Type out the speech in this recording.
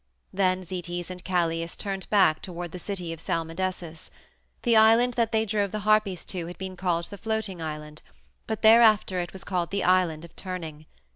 Then Zetes and Calais turned back toward the city of Salmydessus. The island that they drove the Harpies to had been called the Floating Island, but thereafter it was called the Island of Turning.